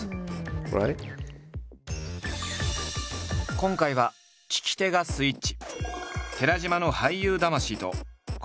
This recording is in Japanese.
今回は聞き手がスイッチ。